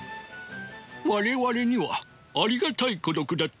我々にはありがたい孤独だったがね。